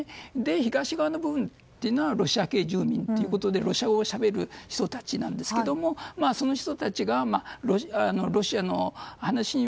東側の海はロシア系住民ということでロシア語をしゃべる人たちなんですがその人たちがロシアの話